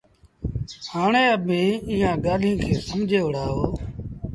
هآڻي اڀيٚنٚ ايٚئآنٚ ڳآليٚنٚ کي سمجھي وهُڙآ اهو